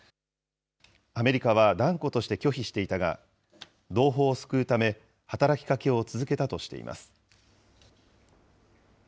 アメリカは断固として拒否していたが、同胞を救うため働きかけを続けたとしています。